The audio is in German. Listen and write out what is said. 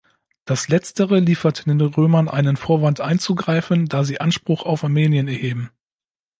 Das letztere liefert den Römern einen Vorwand einzugreifen, da sie Anspruch auf Armenien erheben.